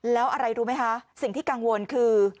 แล้วอะไรรู้ไหมคะสิ่งที่กังวลคือ